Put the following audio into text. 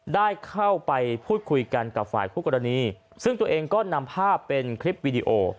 ได้เข้าไปพูดคุยกันกับฝ่ายคู่กรณีซึ่งตัวเองก็นำภาพเป็นคลิปวีดีโอ